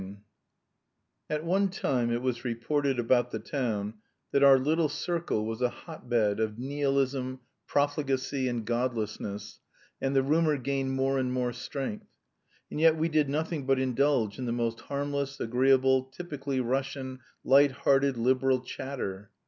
IX At one time it was reported about the town that our little circle was a hotbed of nihilism, profligacy, and godlessness, and the rumour gained more and more strength. And yet we did nothing but indulge in the most harmless, agreeable, typically Russian, light hearted liberal chatter.